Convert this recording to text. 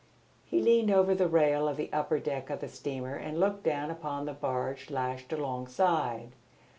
He leaned over the rail of the upper deck of the steamer and looked down upon the barge lashed alongside.